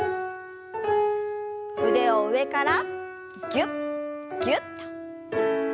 腕を上からぎゅっぎゅっと。